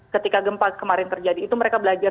ketika gempa kemarin terjadi itu mereka belajar